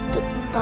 t tapi ma